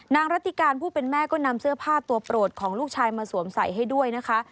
รัติการผู้เป็นแม่ก็นำเสื้อผ้าตัวโปรดของลูกชายมาสวมใส่ให้ด้วยนะคะ